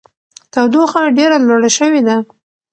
تودوخه ډېره لوړه شوې ده.